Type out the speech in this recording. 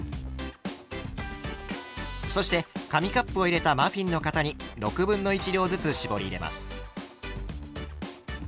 そして紙カップを入れたマフィンの型に６分の１量ずつ絞り入れます。